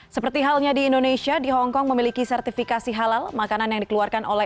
seperti halnya di indonesia di hongkong memiliki sertifikasi halal makanan yang dikeluarkan oleh